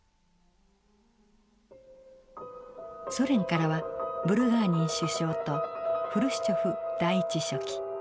ソ連からはブルガーニン首相とフルシチョフ第１書記。